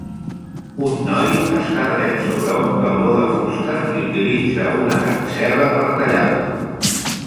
Un noi està dret sobre un tauló de fusta i utilitza una gran serra per tallar-lo.